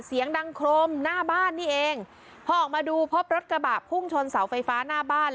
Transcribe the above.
เสียงดังโครมหน้าบ้านนี่เองพอออกมาดูพบรถกระบะพุ่งชนเสาไฟฟ้าหน้าบ้าน